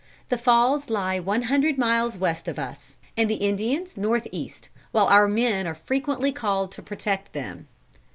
The Falls lie one hundred miles west of us, and the Indians north east; while our men are frequently called to protect them.